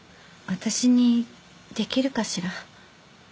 私にできるかしら？